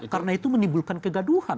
karena itu menimbulkan kegaduhan